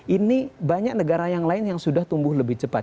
ini banyak negara yang lain yang sudah tumbuh lebih cepat